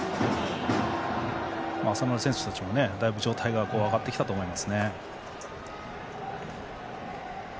浅村選手たちもだいぶ状態が上がってきたと思いますね。